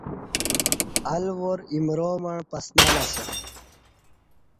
الوار ایمرامع پسنہ لہ اسہ